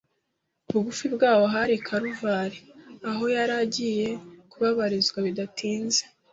Bugufi bwaho hari i Kaluvari, aho yari agiye kubabarizwa bidatinze